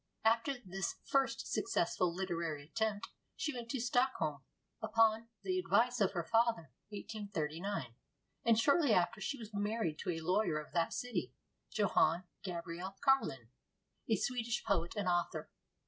After this first successful literary attempt, she went to Stockholm upon the advice of her father (1839), and shortly after she was married to a lawyer of that city, Johan Gabriel Carlén, a Swedish poet and author.